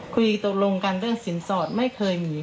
คุยตกลงกันเรื่องสินสอดไม่เคยมี